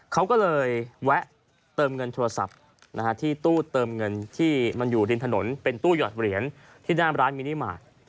เขาก็เลยแวะเติมเงินโทรศัพท์ที่ตู้เติมเงินที่มันอยู่ริมถนนเป็นตู้หยอดเหรียญที่หน้าร้านมินิมาตร